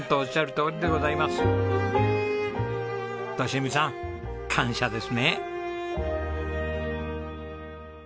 利文さん感謝ですね。